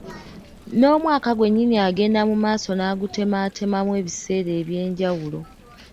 N’omwaka gwennyini agenda mu maaso n’agutemaatemamu ebiseera eby’enjawulo.